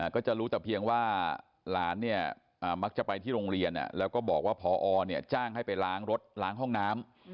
ก็จะรู้แต่เพียงว่าหลานเนี่ยมักจะไปที่โรงเรียนแล้วก็บอกว่าพอจ้างให้ไปล้างรถล้างห้องน้ำ